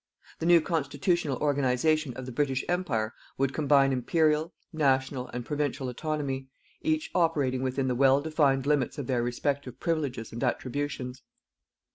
The new constitutional organization of the British Empire would combine Imperial, National and Provincial autonomy, each operating within the well defined limits of their respective privileges and attributions.